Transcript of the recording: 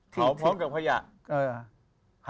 เผาพร้อมกับขยะ